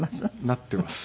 なっています。